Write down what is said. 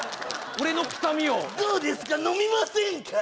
俺の臭みをどうですか飲みませんか？